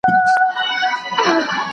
¬ تر يو خروار زرو، يو مثقال عقل ښه دئ.